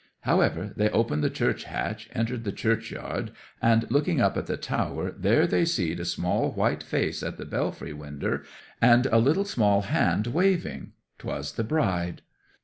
'However, they opened the church hatch, entered the churchyard, and looking up at the tower, there they seed a little small white face at the belfry winder, and a little small hand waving. 'Twas the bride.